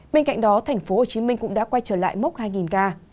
bên cạnh đó thành phố hồ chí minh cũng đã quay trở lại mốc hai ca